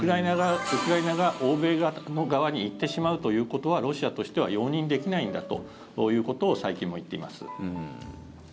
ウクライナが欧米の側に行ってしまうということはロシアとしては容認できないんだということを最近も言っています。